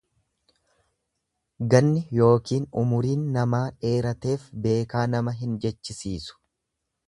Ganni ykn umuriin namaa dheerateef beekaa nama hin jechisiisu.